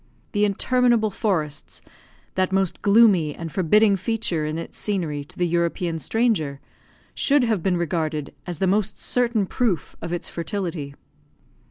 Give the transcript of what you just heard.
The interminable forests that most gloomy and forbidding feature in its scenery to the European stranger, should have been regarded as the most certain proof of its fertility.